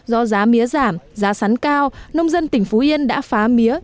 do giá mía giảm giá sắn cao nông dân tỉnh phú yên đã phá mía